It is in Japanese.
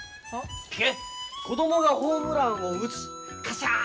子どもがホームランを打つカシャーン！